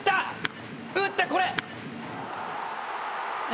打った、これ。